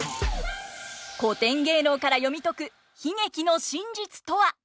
古典芸能から読み解く悲劇の真実とは。